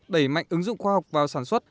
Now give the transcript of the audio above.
đẩy mạnh ứng dụng khoa học vào sản xuất